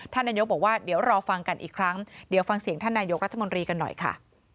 นายกบอกว่าเดี๋ยวรอฟังกันอีกครั้งเดี๋ยวฟังเสียงท่านนายกรัฐมนตรีกันหน่อยค่ะ